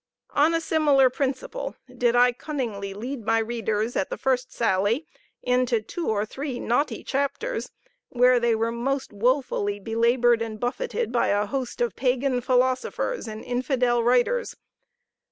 On a similar principle did I cunningly lead my readers, at the first sally, into two or three knotty chapters, where they were most woefully belabored and buffeted by a host of pagan philosophers and infidel writers.